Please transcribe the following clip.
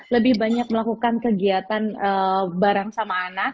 lebih banyak melakukan kegiatan bareng sama anak